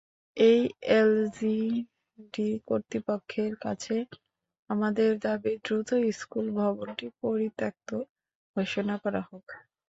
এখন এলজিইডি কর্তৃপক্ষের কাছে আমাদের দাবি, দ্রুত স্কুল ভবনটি পরিত্যক্ত ঘোষণা করা হোক।